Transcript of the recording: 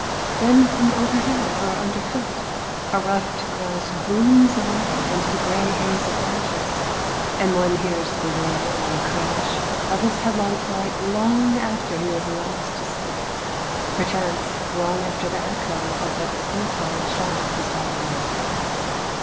Then from overhead or underfoot a ruffed grouse booms away into the gray haze of branches, and one hears the whirr and crash of his headlong flight long after he is lost to sight, perchance long after the echo of a futile shot has died away.